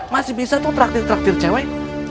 masih bisa tuh traktir traktir cewek